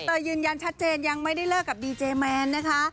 ยืนยันชัดเจนยังไม่ได้เลิกกับดีเจแมนนะคะ